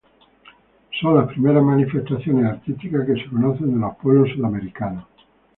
Son las primeras manifestaciones artísticas que se conocen de los pueblos sudamericanos.